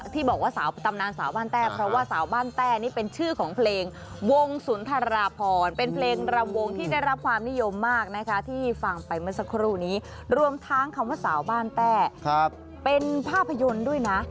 ที่ฟังไปเมื่อสักครู่นี้รวมทั้งคำว่าสาวบ้านแต้เป็นภาพยนตร์ด้วยนะ